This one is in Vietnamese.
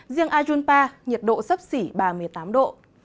riêng ajunpa nhiệt độ sấp xỉ ba mươi tám độ